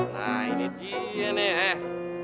nah ini dia nih